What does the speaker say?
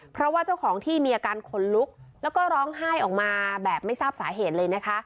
เพราะว่าเจ้าของที่มีอาการขนลุกแล้วก็ร้องไห้ออกมาแบบไม่ทราบสาเหตุเลยนะคะ